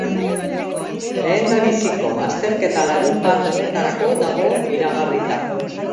Lehendabiziko azterketa larunbat honetarako dago iragarrita.